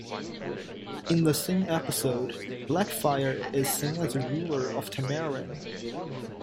In the same episode, Blackfire is seen as the ruler of Tamaran.